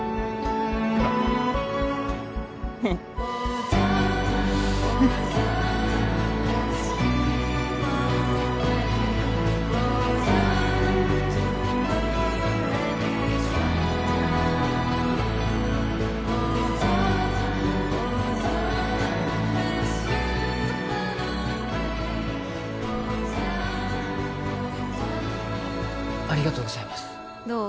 なっうんありがとうございますどう？